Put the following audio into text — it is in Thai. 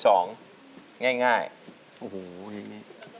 โอ้โหเพลงนี้